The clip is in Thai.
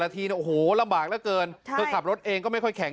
ทีโอ้โหลำบากเหลือเกินเธอขับรถเองก็ไม่ค่อยแข็ง